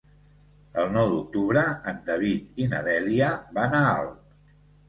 El nou d'octubre en David i na Dèlia van a Alp.